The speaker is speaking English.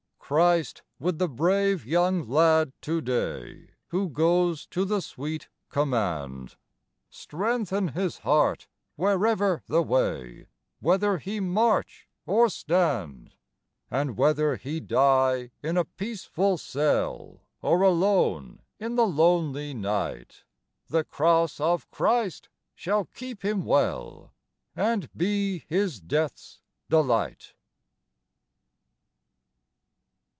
Christ with the brave young lad to day Who goes to the sweet command, Strengthen his heart wherever the way, Whether he march or stand: And whether he die in a peaceful cell, Or alone in the lonely night, The Cross of Christ shall keep him well, And be his death's delight.